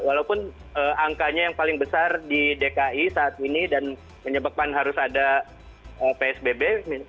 walaupun angkanya yang paling besar di dki saat ini dan menyebabkan harus ada psbb